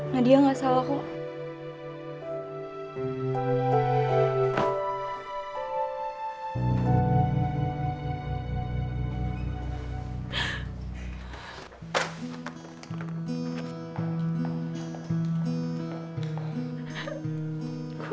nadia ga salah kok